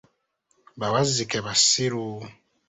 Bawazzike basiru.